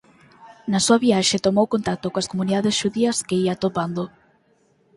Na súa viaxe tomou contacto coas comunidades xudías que ía atopando.